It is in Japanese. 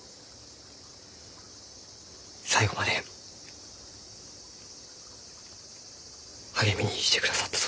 最期まで励みにしてくださったそうじゃ。